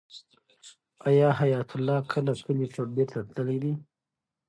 آیا حیات الله کله کلي ته بېرته تللی دی؟